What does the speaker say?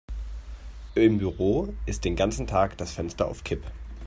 Im Büro ist den ganzen Tag das Fenster auf Kipp.